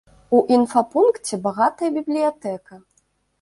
У інфапункце багатая бібліятэка.